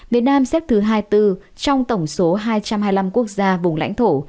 việt nam xếp thứ hai mươi bốn trong tổng số hai trăm hai mươi năm quốc gia vùng lãnh thổ